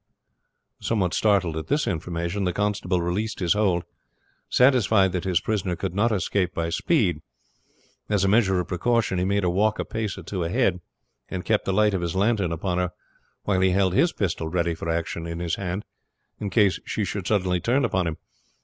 Somewhat startled at this information the constable released his hold, satisfied that his prisoner could not escape by speed. As a measure of precaution he made her walk a pace or two ahead, and kept the light of his lantern upon her while he held his pistol ready for action in his hand in case she should suddenly turn upon him.